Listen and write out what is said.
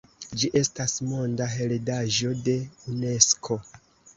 Ĝi estas Monda heredaĵo de Unesko.